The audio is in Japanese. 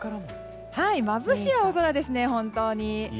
まぶしい青空ですね、本当に。